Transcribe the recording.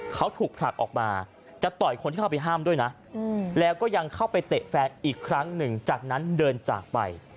เขาถูกผลักออกมาจะต่อยคนที่เข้าไปห้ามด้วยนะแล้วก็ยังเข้าไปเตะแฟนอีกครั้งหนึ่งจากนั้นเดินจากไป